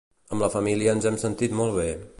Amb la família ens hem sentit molt bé.